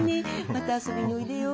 また遊びにおいでよ。